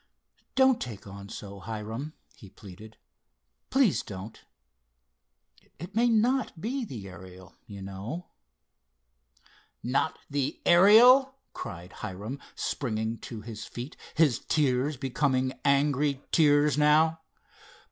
"Don't take on so, Hiram," he pleaded, "please don't. It may not be the Ariel, you know——" "Not the Ariel," cried Hiram, springing to his feet, his tears becoming angry tears now.